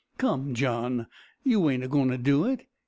"Come, John, you ain't agoin' to do it.